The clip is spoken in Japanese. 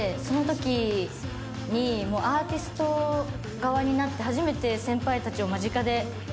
そのときにアーティスト側になって初めて先輩たちを間近で。